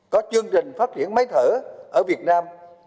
có chương trình phát triển máy thở ở việt nam